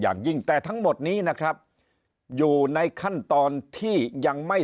อย่างยิ่งแต่ทั้งหมดนี้นะครับอยู่ในขั้นตอนที่ยังไม่